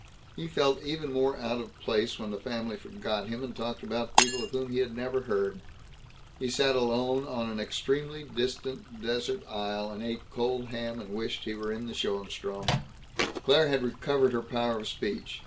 He felt even more out of place when the family forgot him and talked about people of whom he had never heard. He sat alone on an extremely distant desert isle and ate cold ham and wished he were in Schoenstrom. Claire had recovered her power of speech.